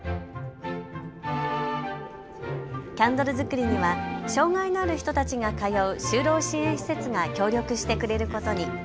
キャンドル作りには障害のある人たちが通う就労支援施設が協力してくれることに。